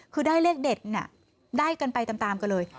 คือได้เลขเด็ดเนี่ยได้กันไปตามกันเลย